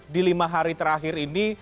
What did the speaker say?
di lima hari terakhir ini